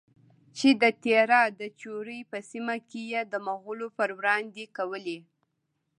چې د تیرا د چورې په سیمه کې یې د مغولو پروړاندې کولې؛